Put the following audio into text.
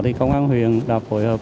thì công an huyện đã phối hợp